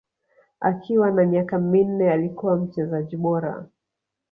Akiwa na miaka minne alikuwa mchezaji bora